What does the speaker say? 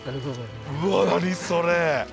うわ何それ。